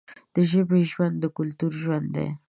د ژبې ژوند د کلتور ژوند دی.